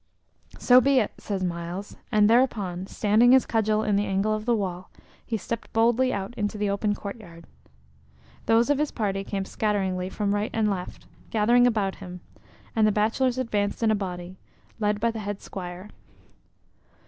"So be it," said Myles, and thereupon, standing his cudgel in the angle of the wall, he stepped boldly out into the open court yard. Those of his party came scatteringly from right and left, gathering about him; and the bachelors advanced in a body, led by the head squire.